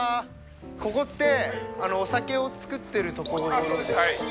ここってお酒を造ってる所ですか？